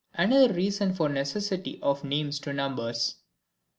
Another reason for the necessity of names to numbers.